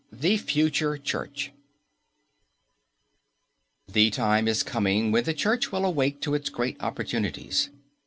XI THE FUTURE CHURCH The time is coming when the Church will awake to its great opportunities.